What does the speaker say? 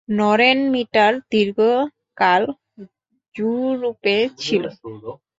নরেন মিটার দীর্ঘকাল য়ুরোপে ছিল।